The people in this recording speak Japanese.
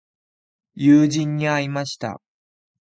友人に会いました。